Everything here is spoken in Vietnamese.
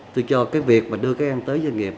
tôi cho cái việc mà đưa các em tới doanh nghiệp